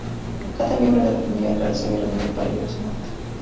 Cada miembro de la familia real se había reunido para llorar su muerte.